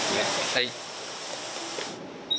はい。